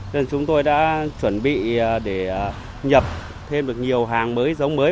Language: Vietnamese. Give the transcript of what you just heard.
nên chúng tôi đã chuẩn bị để nhập thêm được nhiều hàng mới giống mới